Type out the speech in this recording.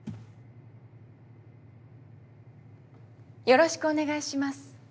よろしくお願いします。